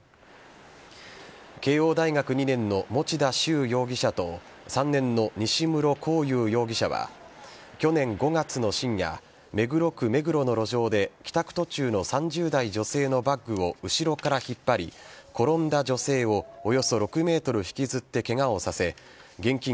慶應大学２年の持田崇容疑者と３年の西室孔裕容疑者は去年５月の深夜目黒区目黒の路上で帰宅途中の３０代女性のバッグを後ろから引っ張り転んだ女性をおよそ６ｍ引きずってケガをさせ現金